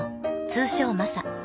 通称マサ。